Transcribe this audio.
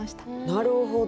なるほど。